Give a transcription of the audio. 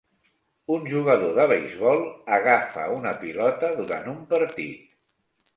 Un jugador de beisbol agafa una pilota durant un partit.